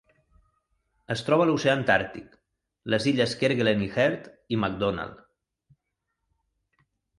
Es troba a l'oceà Antàrtic: les illes Kerguelen i Heard i McDonald.